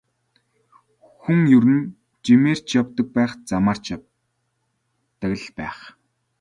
Хүн ер нь жимээр ч явдаг байх, замаар ч явдаг л байх.